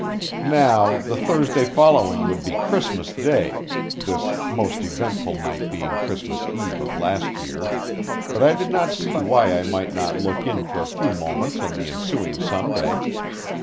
Now, the Thursday following would be Christmas Day (this most eventful night being Christmas Eve of last year), but I did not see why I might not look in for a few moments on the ensuing Sunday.